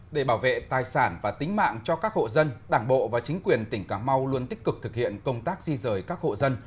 để bảo vệ tài sản và tính mạng cho các hộ dân đảng bộ và chính quyền tỉnh cà mau luôn tích cực thực hiện công tác di rời các hộ dân